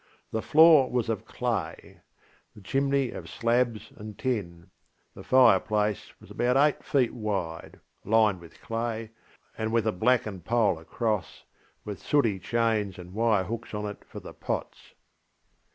The floor was of clay; the chimney of slabs and tin; the fireplace was about eight feet wide, lined with clay, and with a blackened pole across, with sooty chains and wire hooks on it for the pots.